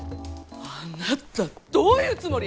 あなたどういうつもり？